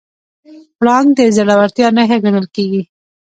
پړانګ د زړورتیا نښه ګڼل کېږي.